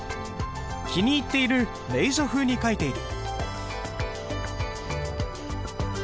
気に入っている隷書風に書いている。